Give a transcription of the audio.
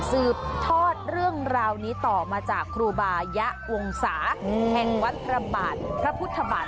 สืบทอดเรื่องราวนี้ต่อมาจากครูบายะวงศาแห่งวัดพระบาทพระพุทธบาท